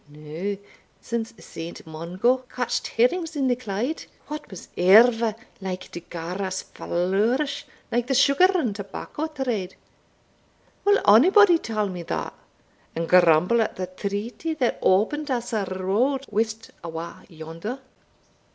Now, since St. Mungo catched herrings in the Clyde, what was ever like to gar us flourish like the sugar and tobacco trade? Will onybody tell me that, and grumble at the treaty that opened us a road west awa' yonder?"